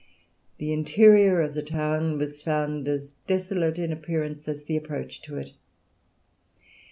The interior of the town was found as desolate in appearance as the approach to it.